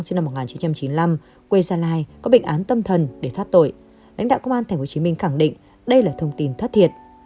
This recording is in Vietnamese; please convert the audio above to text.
sinh năm một nghìn chín trăm chín mươi năm quê gia lai có bệnh án tâm thần để thoát tội lãnh đạo công an tp hcm khẳng định đây là thông tin thất thiệt